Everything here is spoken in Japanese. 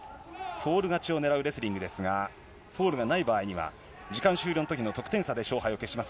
フォール勝ちを狙うレスリングですが、フォールがない場合には、時間終了時の得点差で勝敗を決定します。